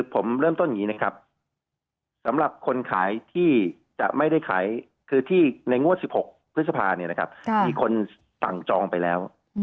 ผมเริ่มต้นสำหรับคนขายในงวด๑๖พฤษภาคมีคนสั่งจองไปแล้ว